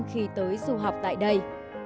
khi tới du học tại đây